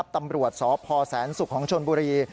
ตำรวจสพแสนศุกร์ของชนบุรี